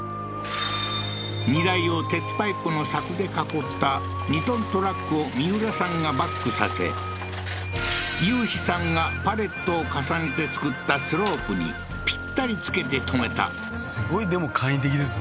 荷台を鉄パイプの柵で囲った２ｔトラックを三浦さんがバックさせ雄飛さんがパレットを重ねて作ったスロープにピッタリつけて止めたすごいでも簡易的ですね